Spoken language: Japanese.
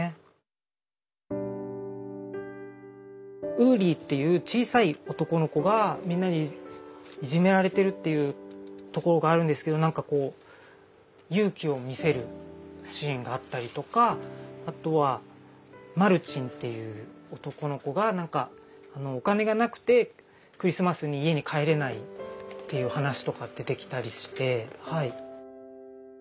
ウリーっていう小さい男の子がみんなにいじめられてるっていうところがあるんですけどなんかこう勇気を見せるシーンがあったりとかあとはマルチンっていう男の子がお金がなくてクリスマスに家に帰れないっていう話とか出てきたりして。